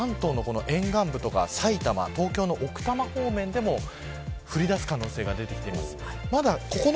一部、関東の沿岸部とか埼玉東京の奥多摩方面でも降り出す可能性が出てきています。